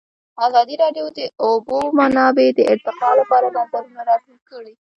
ازادي راډیو د د اوبو منابع د ارتقا لپاره نظرونه راټول کړي.